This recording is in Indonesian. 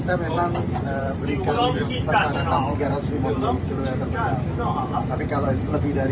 dengan yang sudah dipeniksa menteri kita memang beli kembali ke dalam tiga ratus kalau lebih dari